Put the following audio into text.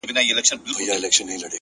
د باران لومړی څاڅکی تل ځانګړی احساس لري!